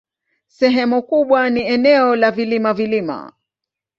Sehemu kubwa ni eneo la vilima-vilima.